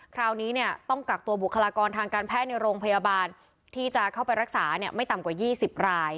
คราวนี้เนี่ยต้องกักตัวบุคลากรทางการแพทย์ในโรงพยาบาลที่จะเข้าไปรักษาไม่ต่ำกว่า๒๐ราย